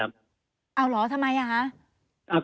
เอาเหรอทำไมอ่ะคะ